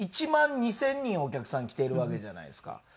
１万２０００人お客さん来ているわけじゃないですか。